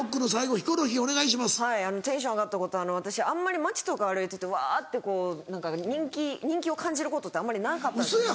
はいテンション上がったこと私あんまり街とか歩いててわってこう何か人気を感じることってあんまりなかったんですよ